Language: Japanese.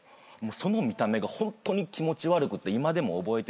その見た目がホントに気持ち悪くて今でも覚えてるんですけど。